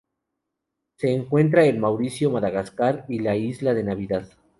Se encuentra en Mauricio, Madagascar y la Isla de Navidad.